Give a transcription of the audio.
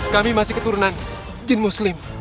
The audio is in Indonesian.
kami masih keturunan jin muslim